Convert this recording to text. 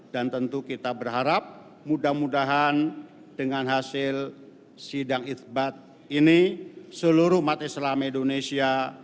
dan tentu kita berharap mudah mudahan dengan hasil sidang itbat ini seluruh umat islam indonesia